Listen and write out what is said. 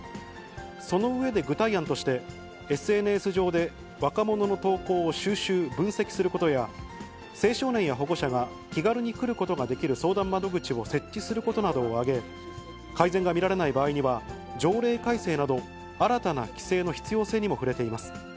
その上で具体案として、ＳＮＳ上で若者の投稿を収集・分析することや、青少年や保護者が気軽に来ることができる相談窓口を設置することなどを挙げ、改善が見られない場合には、条例改正など新たな規制の必要性にも触れています。